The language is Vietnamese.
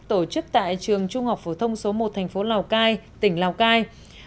tổ chức tại trường trung học phổ thông số một thành phố lào cai tỉnh lào cai